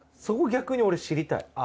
そこ逆に俺知りたい。